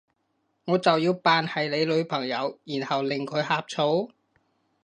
我就要扮係你女朋友，然後令佢呷醋？